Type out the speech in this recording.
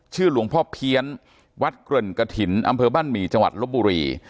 หลวงพ่อเพี้ยนวัดเกริ่นกระถิ่นอำเภอบ้านหมี่จังหวัดลบบุรี